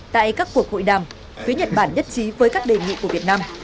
tại các cuộc hội đàm phía nhật bản nhất trí với các đề nghị của việt nam